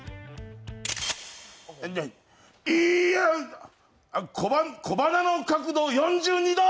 いーや、小鼻の角度４２度！